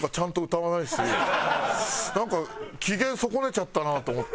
なんか機嫌損ねちゃったなと思って。